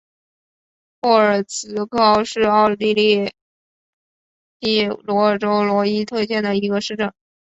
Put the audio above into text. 霍尔茨高是奥地利蒂罗尔州罗伊特县的一个市镇。